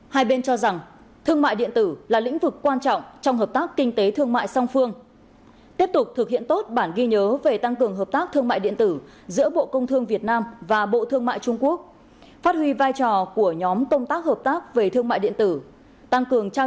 hai bên cho rằng thương mại điện tử là lĩnh vực quan trọng trong hợp tác kinh tế thương mại song phương